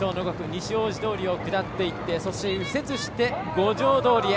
西大路通を下っていってそして、右折して五条通へ。